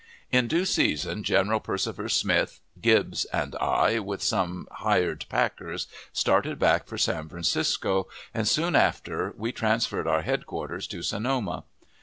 In due season General Persifer Smith, Gibbs, and I, with some hired packers, started back for San Francisco, and soon after we transferred our headquarters to Sonoma.